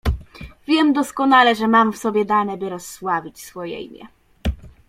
"Wiem doskonale, że mam w sobie dane, by rozsławić swoje imię."